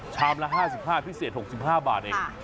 ชามละ๕๕พิเศษ๖๕บาทเอง